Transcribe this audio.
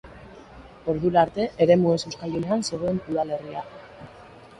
Ordura arte eremu ez-euskaldunean zegoen udalerria.